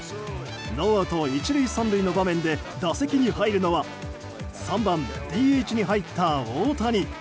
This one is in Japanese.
ノーアウト１塁３塁の場面で打席に入るのは３番ＤＨに入った大谷。